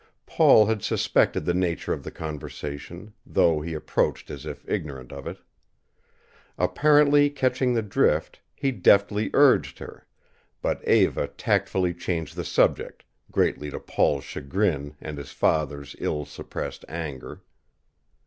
Paul had suspected the nature of the conversation, though he approached as if ignorant of it. Apparently catching the drift, he deftly urged her, but Eva tactfully changed the subject, greatly to Paul's chagrin and his father's ill suppressed anger.